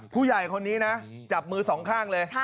ผู้ใหญ่คนนี้นะจับมือสองข้างเลย